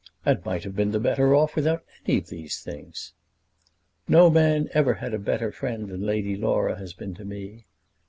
"And might have been the better without any of these things." "No man ever had a better friend than Lady Laura has been to me.